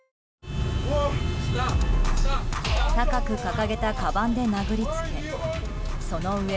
高く掲げたかばんで殴りつけそのうえ